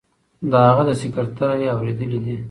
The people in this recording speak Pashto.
د هغه له سکرتر اوریدلي دي.